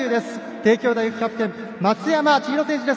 帝京大学キャプテン松山千大選手です。